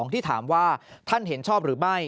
ที่ถามว่าท่านเห็นชอบหรือไม่